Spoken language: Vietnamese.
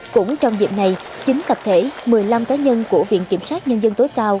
cũng trong dịp này chín tập thể một mươi năm cá nhân của viện kiểm sát nhân dân tối cao